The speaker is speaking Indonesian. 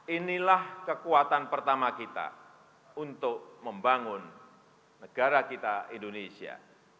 inilah kekuatan pertama kita untuk membangun negara kita indonesia